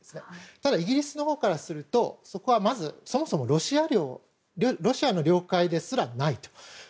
ただ、イギリスからするとそこは、まずそもそもロシアの領海ですらないと。